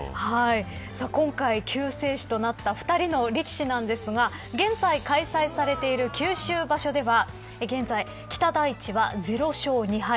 今回、救世主となった２人の力士なんですが現在開催されている九州場所では現在、北大地は０勝２敗。